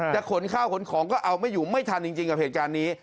ขนข้าวขนของก็เอาไม่อยู่ไม่ทันจริงกับเหตุการณ์นี้